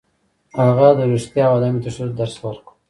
هغه د رښتیا او عدم تشدد درس ورکړ.